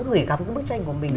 gửi gắm cái bức tranh của mình